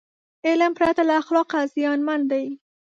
علم پرته له اخلاقه زیانمن دی.